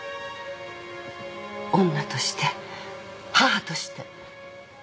女として母として。